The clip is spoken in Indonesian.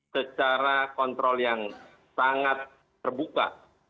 secara kontrol yang sangat terbuka